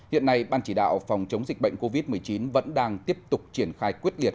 hiện nay ban chỉ đạo phòng chống dịch bệnh covid một mươi chín vẫn đang tiếp tục triển khai quyết liệt